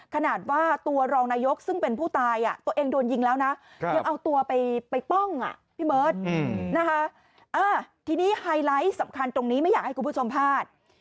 ขนาดว่าตัวรองนายกซึ่งเป็นผู้ตายตัวเองโดนยิงแล้วนะยังเอาตัวไปป้องอ่ะพี่เบิร์ตนะคะทีนี้ไฮไลท์สำคัญตรงนี้ไม่อยากให้คุณผู้ชมพลาด